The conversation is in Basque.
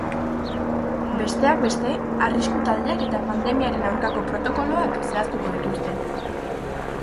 Besteak beste, arrisku taldeak eta pandemiaren aurkako protokoloak zehaztuko dituzte.